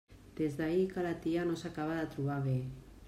Des d'ahir que la tia no s'acaba de trobar bé.